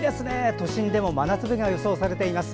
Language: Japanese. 都心でも真夏日が予想されています。